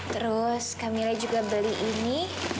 terus kak mila juga beli ini